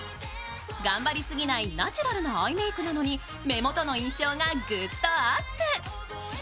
頑張りすぎないナチュラルなアイメークなのに、目元の印象がグッとアップ。